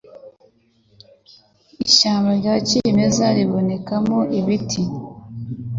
Ishyamba rya kimeza ribonekamo imiti